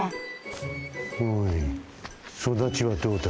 おいそだちはどうだ？